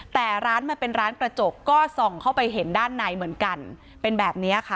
แต่ร้านมันเป็นร้านกระจกก็ส่องเข้าไปเห็นด้านในเหมือนกันเป็นแบบนี้ค่ะ